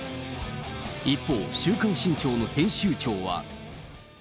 一方、週刊新潮の編集長は。